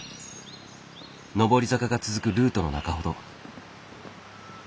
上り坂が続くルートの中ほど。